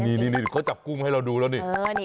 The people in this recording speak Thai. นี่เขาจับกุ้งให้เราดูแล้วนี่